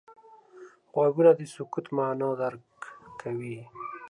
غوږونه د سکوت معنا درک کوي